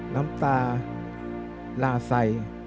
น้ำตาลาไซ